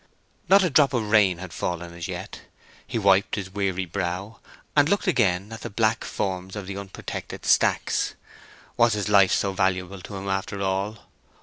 Not a drop of rain had fallen as yet. He wiped his weary brow, and looked again at the black forms of the unprotected stacks. Was his life so valuable to him after all?